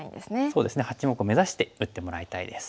そうですね８目を目指して打ってもらいたいです。